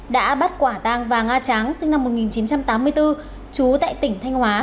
đã bắt quả tang và nga tráng sinh năm một nghìn chín trăm tám mươi bốn trú tại tỉnh thanh hóa